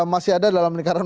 masih ada dalam lingkaran